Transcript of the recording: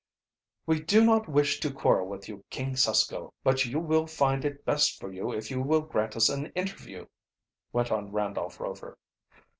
"We do not wish to quarrel with you, King Susko; but you will find it best for you if you will grant us an interview," went on Randolph Rover.